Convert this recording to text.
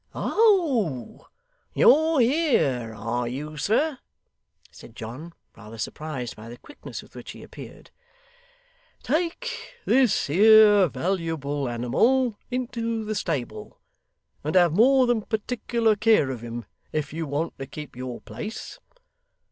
'Oh, you're here, are you, sir?' said John, rather surprised by the quickness with which he appeared. 'Take this here valuable animal into the stable, and have more than particular care of him if you want to keep your place.